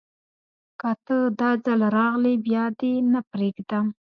که ته، داځل راغلي بیا دې نه پریږدم